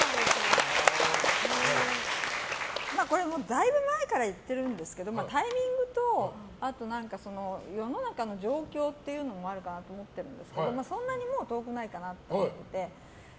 これも、だいぶ前から言ってるんですけどタイミングと、世の中の状況というのもあるかなと思ってるんですけどそんなにもう遠くないかなと思っていて。